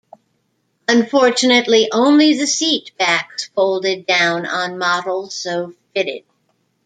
Unfortunately, only the seat backs folded down on models so fitted.